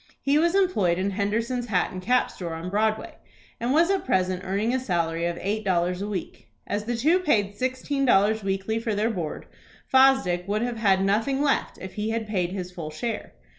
He was employed in Henderson's hat and cap store on Broadway, and was at present earning a salary of eight dollars a week. As the two paid sixteen dollars weekly for their board, Fosdick would have had nothing left if he had paid his full share.